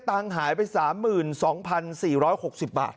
ตังค์หายไป๓๒๔๖๐บาท